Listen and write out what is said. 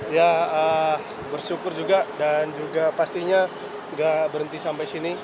ya bersyukur juga dan juga pastinya nggak berhenti sampai sini